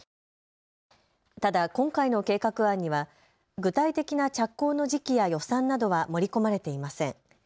ただ、今回の計画案には具体的な着工の時期や予算などは盛り込まれていません。